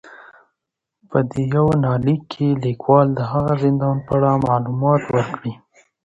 په دې يونليک کې ليکوال د هغه زندان په اړه معلومات ور کړي